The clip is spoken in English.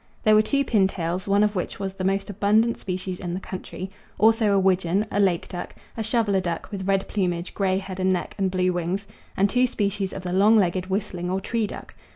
There were two pintails, one of which was the most abundant species in the country; also a widgeon, a lake duck, a shoveller duck, with red plumage, grey head and neck, and blue wings; and two species of the long legged whistling or tree duck.